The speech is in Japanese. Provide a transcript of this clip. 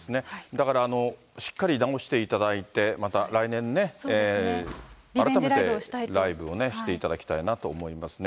だから、しっかり治していただいて、また来年ね、ライブをしていただきたいなと思いますね。